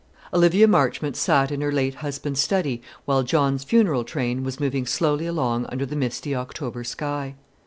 Olivia Marchmont sat in her late husband's study while John's funeral train was moving slowly along under the misty October sky.